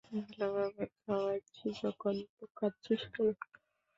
ভালোভাবে খাওয়াচ্ছি যখন, তো খাচ্ছিস কেন!